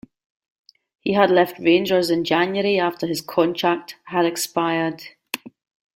He had left Rangers in January after his contract had expired.